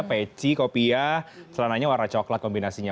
peci kopiah celananya warna coklat kombinasinya